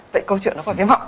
vậy câu chuyện đó phải viêm họng